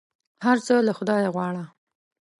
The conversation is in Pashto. هر څه له خدایه غواړه !